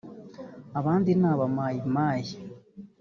abandi ni aba Mai Mai